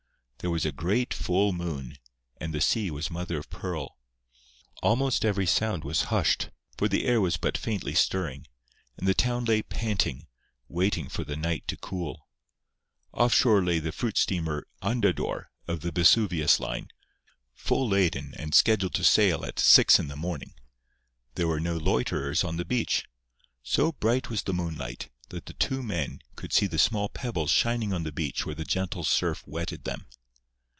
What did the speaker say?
There was a great, full moon; and the sea was mother of pearl. Almost every sound was hushed, for the air was but faintly stirring; and the town lay panting, waiting for the night to cool. Offshore lay the fruit steamer Andador, of the Vesuvius line, full laden and scheduled to sail at six in the morning. There were no loiterers on the beach. So bright was the moonlight that the two men could see the small pebbles shining on the beach where the gentle surf wetted them.